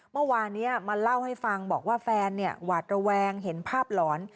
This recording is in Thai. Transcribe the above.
เมื่อวานนี้มาเล่าให้ฟังบอกว่าแฟนหวาดระแวงเห็นภาพหลอน